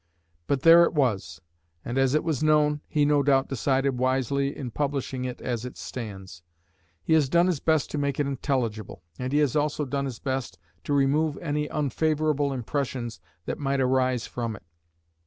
But there it was, and, as it was known, he no doubt decided wisely in publishing it as it stands; he has done his best to make it intelligible, and he has also done his best to remove any unfavourable impressions that might arise from it.